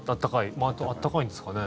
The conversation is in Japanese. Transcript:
まあ温かいんですかね。